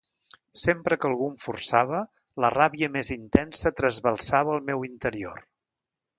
Sempre que algú em forçava, la ràbia més intensa trasbalsava el meu interior.